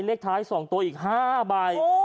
เลขท้าย๒ตัวอีก๕ใบ